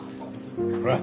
ほら。